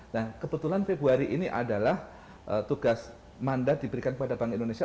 nah kebetulan februari ini adalah tugas mandat diberikan kepada bank indonesia